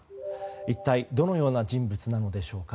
一体どのような人物なのでしょうか。